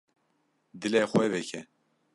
Dilê xwe veke.